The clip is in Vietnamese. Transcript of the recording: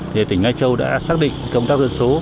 thì tỉnh lai châu đã xác định công tác dân số